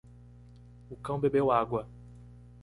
O cão bebeu água.